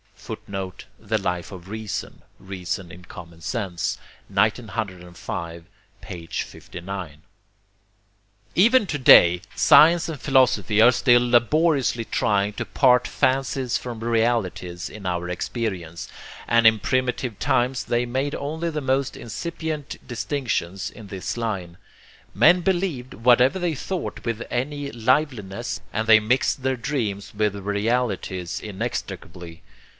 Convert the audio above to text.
"[Footnote: The Life of Reason: Reason in Common Sense, 1905, p. 59.] Even to day science and philosophy are still laboriously trying to part fancies from realities in our experience; and in primitive times they made only the most incipient distinctions in this line. Men believed whatever they thought with any liveliness, and they mixed their dreams with their realities inextricably.